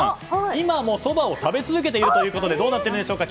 今もそばを食べ続けているということでどうなっているでしょうか。